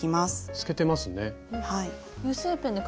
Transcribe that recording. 透けてますね。